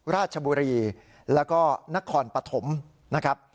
ราชบุรีแล้วก็นครปฐมนะครับ